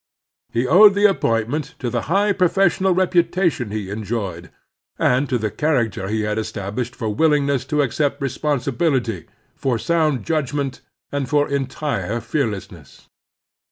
He owed the appointment to the high professional reputation he enjoyed, and to the character he had established for willingness to accept responsibility, for sotmd judgment, and for entire fearlessness.